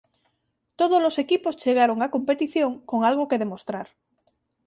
Tódolos equipos chegaron á competición con algo que demostrar.